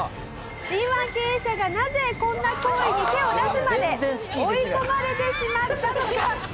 敏腕経営者がなぜこんな行為に手を出すまで追い込まれてしまったのか？